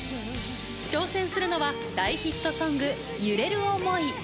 挑戦するのは大ヒットソング『揺れる想い』。